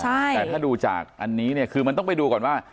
แต่ถ้าดูจากอันนี้เนี่ยคือมันต้องไปดูก่อนว่า